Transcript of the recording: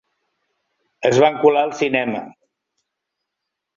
Es van colar al cinema.